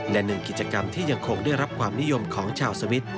และหนึ่งกิจกรรมที่ยังคงได้รับความนิยมของชาวสวิตช์